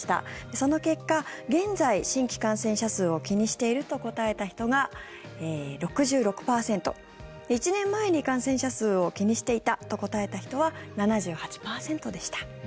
その結果現在、新規感染者数を気にしていると答えた人が６６％１年前に感染者数を気にしていたと答えた人は７８％でした。